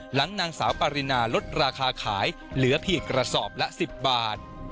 หลังนางสาวปารินาลดราคาขายเหลือเพียงกระสอบละ๑๐บาท